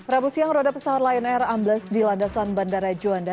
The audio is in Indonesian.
rabu siang roda pesawat lion air ambles di landasan bandara juanda